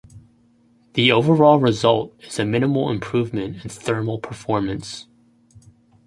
The overall result is a minimal improvement in thermal performance.